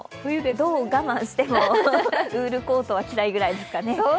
どう我慢しても、ウールコートが着たいぐらいですかね。